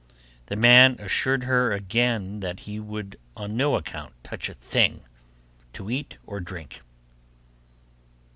The man assured her again that he would on no account touch a thing to eat or drink.